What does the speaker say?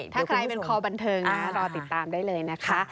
ถ้าใครเป็นคอบันเทิงนะรอติดตามได้เลยนะคะ